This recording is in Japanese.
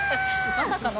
まさかの？